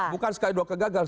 bukan sekali dua kegagal